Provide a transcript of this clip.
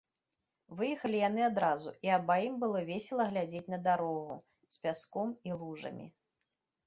Выехалі яны адразу, і абаім было весела глядзець на дарогу з пяском і лужамі.